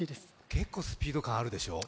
結構スピード感あるでしょう？